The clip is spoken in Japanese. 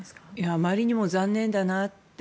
あまりにも残念だなって。